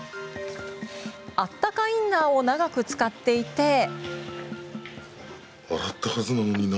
あったかインナーを長く使っていて。